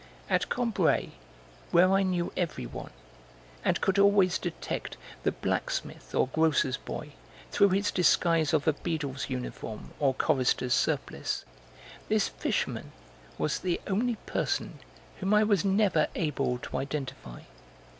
At Combray, where I knew everyone, and could always detect the blacksmith or grocer's boy through his disguise of a beadle's uniform or chorister's surplice, this fisherman was the only person whom I was never able to identify.